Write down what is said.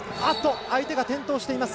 相手が転倒しています。